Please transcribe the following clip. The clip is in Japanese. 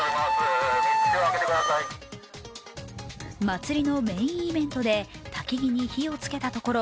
祭りのメインイベントでたき木に火をつけたところ、